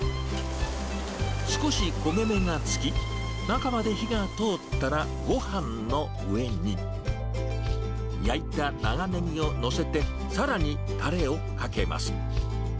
少し焦げ目がつき、中まで火が通ったら、ごはんの上に。焼いた長ネギを載せて、さらにたれをかけます。